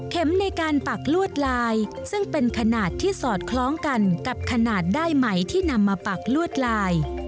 ในการปักลวดลายซึ่งเป็นขนาดที่สอดคล้องกันกับขนาดได้ไหมที่นำมาปักลวดลาย